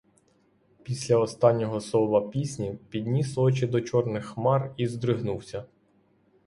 Після останнього слова пісні підніс очі до чорних хмар і здригнувся.